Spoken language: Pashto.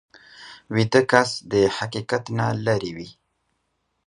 ویده کس د حقیقت نه لرې وي